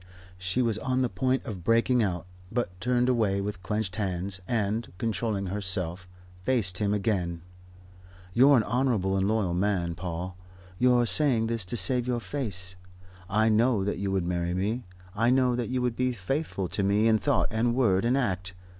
She was on the point of breaking out, but turned away, with clenched hands, and, controlling herself, faced him again. "You're an honourable and loyal man, Paul, and you're saying this to save your face. I know that you would marry me. I know that you would be faithful to me in thought and word and act.